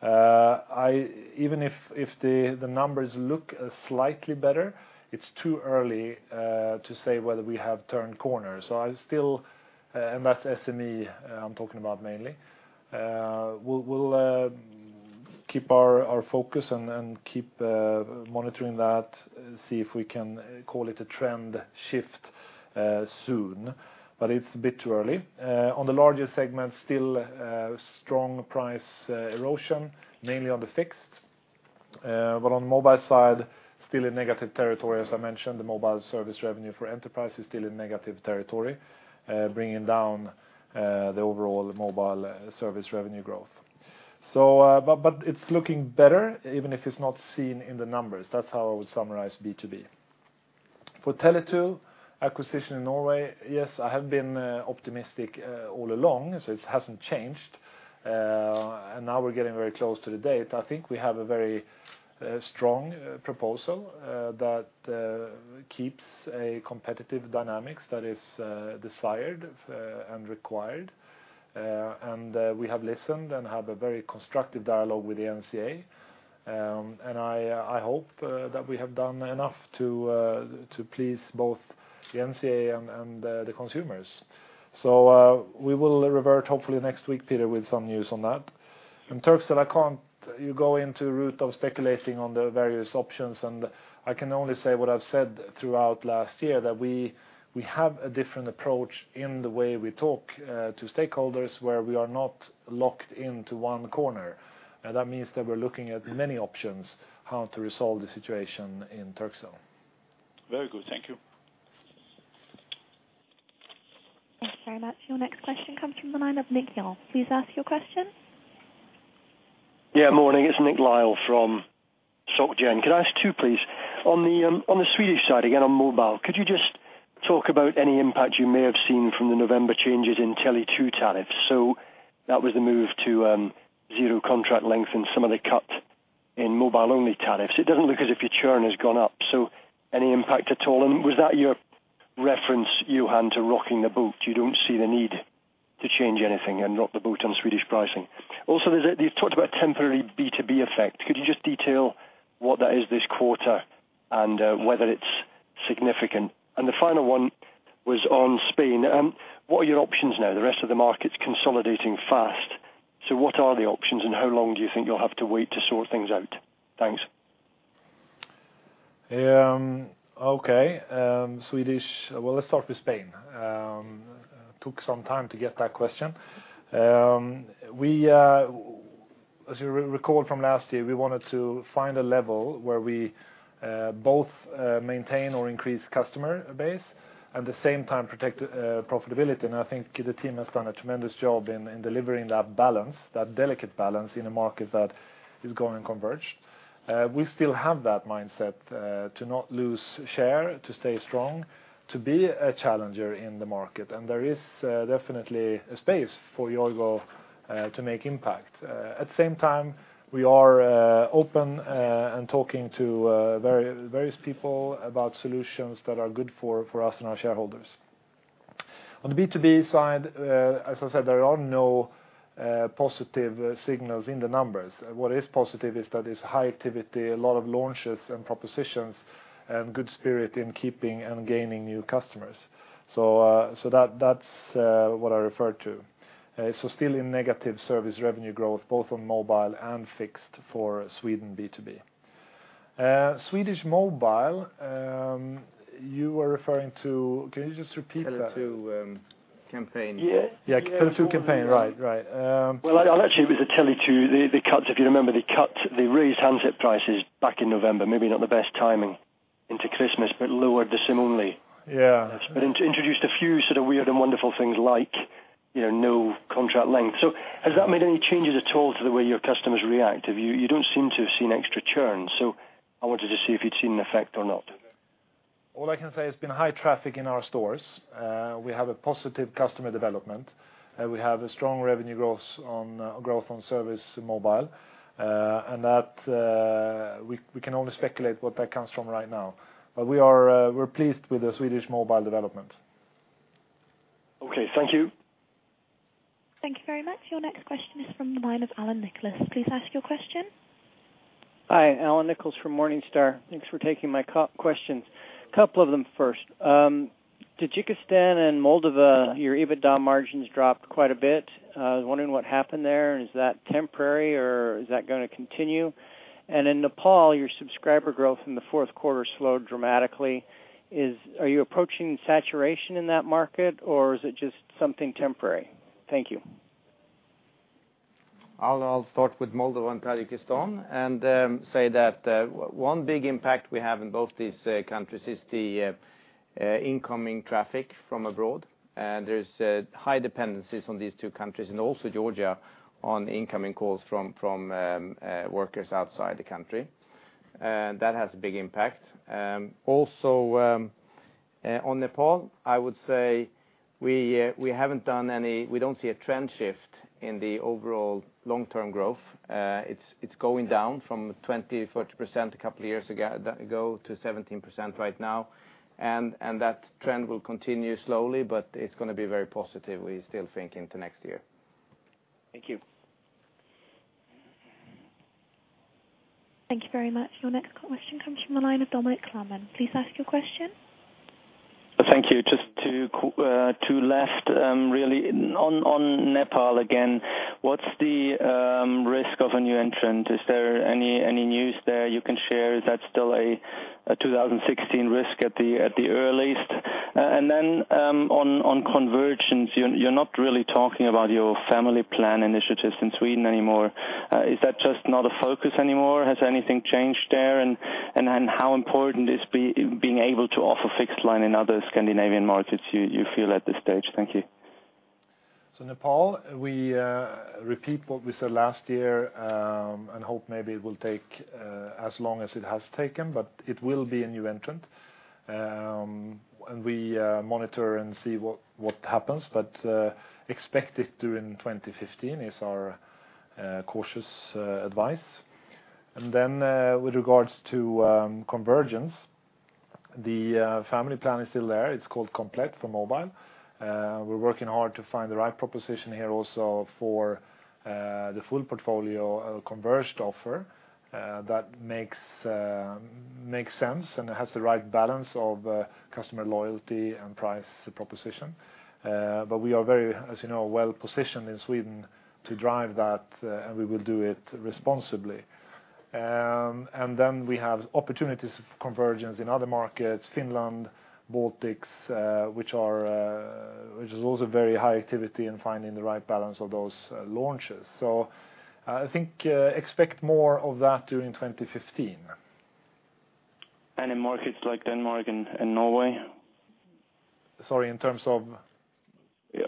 Even if the numbers look slightly better, it's too early to say whether we have turned corners. That's SME I'm talking about mainly. We'll keep our focus and keep monitoring that, see if we can call it a trend shift soon, but it's a bit too early. On the larger segment, still strong price erosion, mainly on the fixed. On the mobile side, still in negative territory, as I mentioned. The mobile service revenue for enterprise is still in negative territory, bringing down the overall mobile service revenue growth. It's looking better, even if it's not seen in the numbers. That's how I would summarize B2B. For Tele2 acquisition in Norway, yes, I have been optimistic all along, so it hasn't changed. Now we're getting very close to the date. I think we have a very strong proposal that keeps a competitive dynamics that is desired and required. We have listened and have a very constructive dialogue with the NCA. I hope that we have done enough to please both the NCA and the consumers. We will revert hopefully next week, Peter, with some news on that. In Turkcell, you go into route of speculating on the various options, and I can only say what I've said throughout last year, that we have a different approach in the way we talk to stakeholders, where we are not locked into one corner. That means that we're looking at many options how to resolve the situation in Turkcell. Very good. Thank you. Thank you very much. Your next question comes from the line of Nick Lyall. Please ask your question. Morning. It's Nick Lyall from Societe Generale. Could I ask two, please? On the Swedish side, again on mobile, could you just talk about any impact you may have seen from the November changes in Tele2 tariffs? That was the move to zero contract length and some of the cut in mobile-only tariffs. It doesn't look as if your churn has gone up, so any impact at all? Was that your reference, Johan, to rocking the boat? You don't see the need to change anything and rock the boat on Swedish pricing. You've talked about temporary B2B effect. Could you just detail what that is this quarter and whether it's significant? The final one was on Spain. What are your options now? The rest of the market's consolidating fast. What are the options, and how long do you think you'll have to wait to sort things out? Thanks. Okay. Swedish. Let's start with Spain. Took some time to get that question. As you recall from last year, we wanted to find a level where we both maintain or increase customer base, at the same time protect profitability. I think the team has done a tremendous job in delivering that delicate balance in a market that is going converged. We still have that mindset, to not lose share, to stay strong, to be a challenger in the market. There is definitely a space for Yoigo to make impact. At the same time, we are open and talking to various people about solutions that are good for us and our shareholders. On the B2B side, as I said, there are no positive signals in the numbers. What is positive is that it's high activity, a lot of launches and propositions, and good spirit in keeping and gaining new customers. That's what I referred to. Still in negative service revenue growth, both on mobile and fixed for Sweden B2B. Swedish mobile. Can you just repeat that? Tele2 campaign. Yeah, Tele2 campaign. Right. Well, actually, it was the Tele2, if you remember, they raised handset prices back in November, maybe not the best timing into Christmas, but lowered the SIM-only. Yeah. Introduced a few sort of weird and wonderful things like no contract length. Has that made any changes at all to the way your customers react? You don't seem to have seen extra churn, so I wanted to see if you'd seen an effect or not. All I can say it's been high traffic in our stores. We have a positive customer development. We have a strong revenue growth on service mobile. That we can only speculate what that comes from right now. We're pleased with the Swedish mobile development. Okay. Thank you. Thank you very much. Your next question is from the line of Allan Nichols. Please ask your question. Hi. Allan Nichols from Morningstar. Thanks for taking my questions. Couple of them first. Tajikistan and Moldova- Yeah your EBITDA margins dropped quite a bit. I was wondering what happened there. Is that temporary, or is that going to continue? In Nepal, your subscriber growth in the fourth quarter slowed dramatically. Are you approaching saturation in that market, or is it just something temporary? Thank you. I'll start with Moldova and Tajikistan, say that one big impact we have in both these countries is the incoming traffic from abroad. There's high dependencies on these two countries, and also Georgia, on incoming calls from workers outside the country. That has a big impact. On Nepal, I would say we don't see a trend shift in the overall long-term growth. It's going down from 20%, 40% a couple of years ago to 17% right now. That trend will continue slowly, but it's going to be very positive, we're still thinking, to next year. Thank you. Thank you very much. Your next question comes from the line of Dominik Klarmann. Please ask your question. Thank you. Just to left, really, on Nepal again, what's the risk of a new entrant? Is there any news there you can share? Is that still a 2016 risk at the earliest? On convergence, you're not really talking about your family plan initiatives in Sweden anymore. Is that just not a focus anymore? Has anything changed there? How important is being able to offer fixed line in other Scandinavian markets you feel at this stage? Thank you. Nepal, we repeat what we said last year, and hope maybe it will take as long as it has taken, but it will be a new entrant. We monitor and see what happens, but expect it during 2015 is our cautious advice. With regards to convergence, the family plan is still there. It's called Komplett for mobile. We're working hard to find the right proposition here also for the full portfolio, a converged offer that makes sense and has the right balance of customer loyalty and price proposition. We are very, as you know, well-positioned in Sweden to drive that, and we will do it responsibly. We have opportunities of convergence in other markets, Finland, Baltics, which is also very high activity in finding the right balance of those launches. I think expect more of that during 2015. In markets like Denmark and Norway? Sorry, in terms of?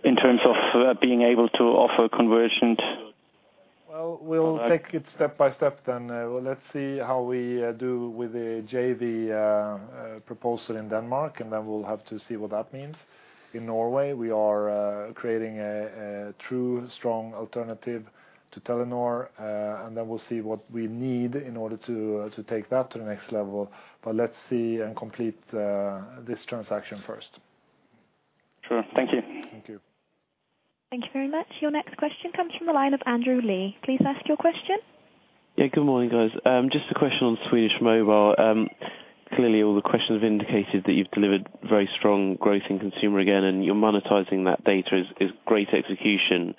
In terms of being able to offer convergent products. Well, we'll take it step by step then. Well, let's see how we do with the JV proposal in Denmark, and then we'll have to see what that means. In Norway, we are creating a true strong alternative to Telenor, and then we'll see what we need in order to take that to the next level. Let's see and complete this transaction first. Sure. Thank you. Thank you. Thank you very much. Your next question comes from the line of Andrew Lee. Please ask your question. Yeah, good morning, guys. Just a question on Swedish mobile. Clearly, all the questions have indicated that you've delivered very strong growth in consumer again, and you're monetizing that data is great execution.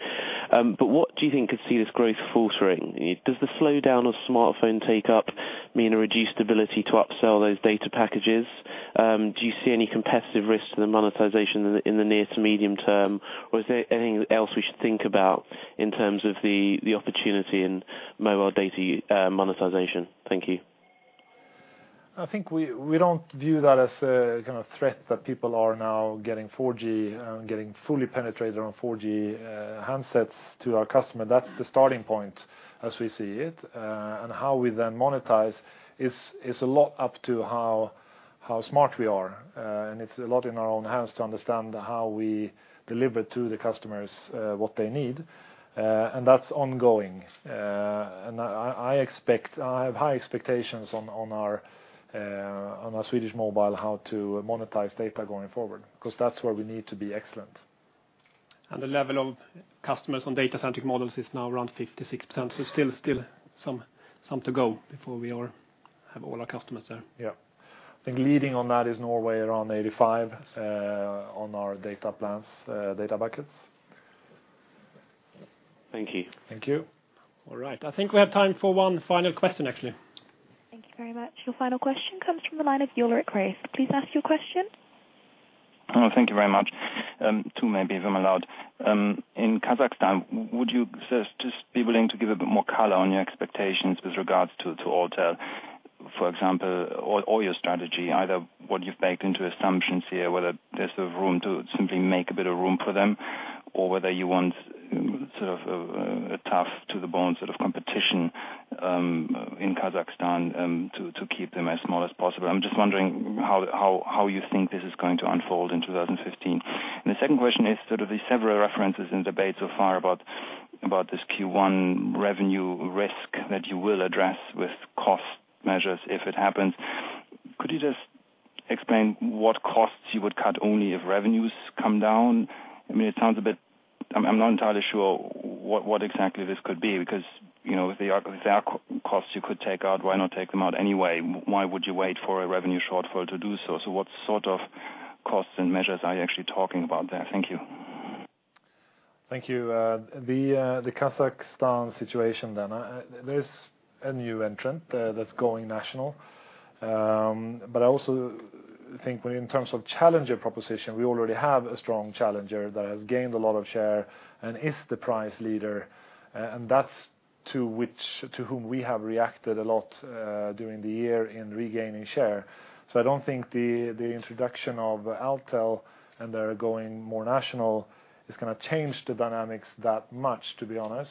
What do you think could see this growth faltering? Does the slowdown of smartphone take up mean a reduced ability to upsell those data packages? Do you see any competitive risks to the monetization in the near to medium term? Is there anything else we should think about in terms of the opportunity in mobile data monetization? Thank you. I think we don't view that as a kind of threat that people are now getting fully penetrated on 4G handsets to our customer. That's the starting point as we see it. How we then monetize is a lot up to how smart we are. It's a lot in our own hands to understand how we deliver to the customers what they need. That's ongoing. I have high expectations on our Swedish mobile, how to monetize data going forward, because that's where we need to be excellent. The level of customers on data-centric models is now around 56%. Still some to go before we have all our customers there. Yeah. I think leading on that is Norway around 85 on our data plans, data buckets. Thank you. Thank you. All right. I think we have time for one final question, actually. Thank you very much. Your final question comes from the line of Ulrich Rathe. Please ask your question. Thank you very much. Two maybe, if I'm allowed. In Kazakhstan, would you just be willing to give a bit more color on your expectations with regards to Altel, for example, or your strategy, either what you've baked into assumptions here, whether there's the room to simply make a bit of room for them, or whether you want sort of a tough to the bone sort of competition in Kazakhstan to keep them as small as possible. I'm just wondering how you think this is going to unfold in 2015. The second question is sort of the several references in debate so far about this Q1 revenue risk that you will address with cost measures if it happens. Could you just explain what costs you would cut only if revenues come down? I mean, I'm not entirely sure what exactly this could be, because if there are costs you could take out, why not take them out anyway? Why would you wait for a revenue shortfall to do so? What sort of costs and measures are you actually talking about there? Thank you. Thank you. The Kazakhstan situation then. There's a new entrant that's going national. I also think in terms of challenger proposition, we already have a strong challenger that has gained a lot of share and is the price leader. That's to whom we have reacted a lot during the year in regaining share. I don't think the introduction of Altel and their going more national is going to change the dynamics that much, to be honest.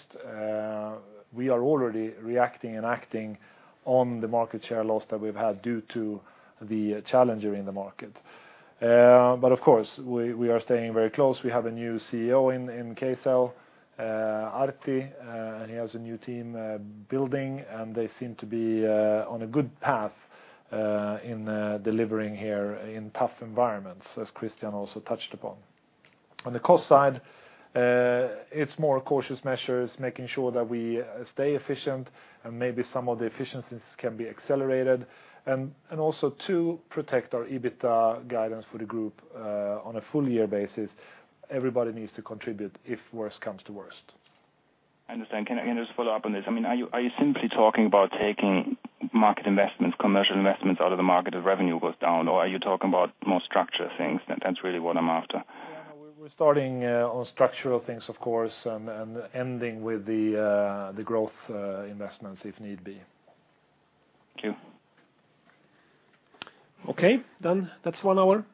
We are already reacting and acting on the market share loss that we've had due to the challenger in the market. Of course, we are staying very close. We have a new CEO in Kcell, Artie, and he has a new team building, and they seem to be on a good path in delivering here in tough environments, as Christian also touched upon. On the cost side, it's more cautious measures, making sure that we stay efficient, maybe some of the efficiencies can be accelerated. Also to protect our EBITDA guidance for the group on a full year basis, everybody needs to contribute if worse comes to worst. I understand. Can I just follow up on this? I mean, are you simply talking about taking market investments, commercial investments out of the market if revenue goes down, or are you talking about more structural things? That's really what I'm after. We're starting on structural things, of course, ending with the growth investments if need be. Thank you. Okay. Done. That's one hour.